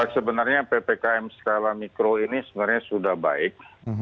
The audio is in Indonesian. sebenarnya ppkm skala mikro ini sebenarnya sudah baik